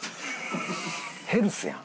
ヘルスやん。